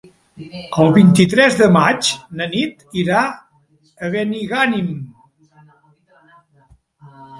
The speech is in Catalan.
El vint-i-tres de maig na Nit irà a Benigànim.